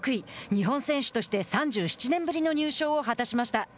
日本選手として３７年ぶりの入賞を果たしました。